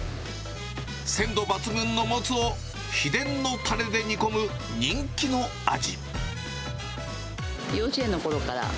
鮮度抜群のもつを秘伝のたれで煮込む人気の味。